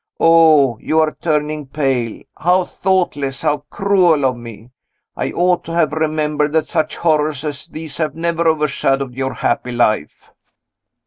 Oh! you are turning pale! How thoughtless, how cruel of me! I ought to have remembered that such horrors as these have never overshadowed your happy life!"